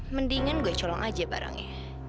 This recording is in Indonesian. mendingan gue colong aja barangnya